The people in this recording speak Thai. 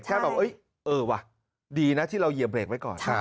แบบเออว่ะดีนะที่เราเหยียบเรกไว้ก่อน